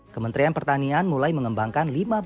kementerian pertanian mulai mengembangkan